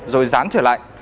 rồi dán trở lại